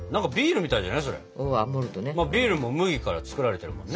まあビールも麦から造られてるもんね。